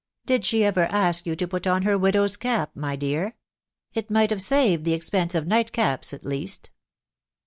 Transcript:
.•. Did she ever ask you to put on her widow's cap, xny dear? It might have saved the expense of nightcaps at least.'